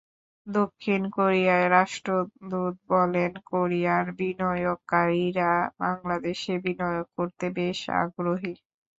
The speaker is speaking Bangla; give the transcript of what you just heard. দক্ষিণ কোরিয়ার রাষ্ট্রদূত বলেন, কোরিয়ার বিনিয়োগকারীরা বাংলাদেশে বিনিয়োগ করতে বেশ আগ্রহী।